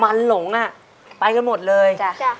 วันหลงไปกันหมดเลย